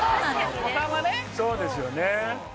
そうですよね。